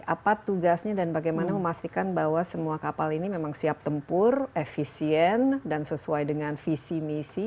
apa tugasnya dan bagaimana memastikan bahwa semua kapal ini memang siap tempur efisien dan sesuai dengan visi misi